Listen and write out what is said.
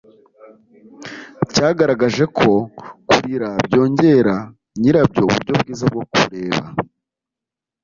cyagaragaje ko kurira byongerera nyira byo uburyo bwiza bwo kureba